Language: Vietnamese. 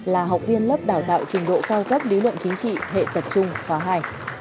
là học viên lớp đào tạo trình độ cao cấp lý luận chính trị hệ tập trung khóa hai